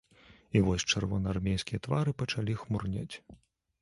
І вось чырвонаармейскія твары пачалі хмурнець.